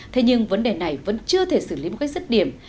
thế nhưng vấn đề này vẫn chưa thể xử lý một cách dứt điểm